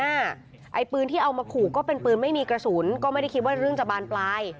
ไอ้ปืนที่เอามาขู่ก็เป็นปืนไม่มีกระสุนก็ไม่ได้คิดว่าเรื่องจะบานปลาย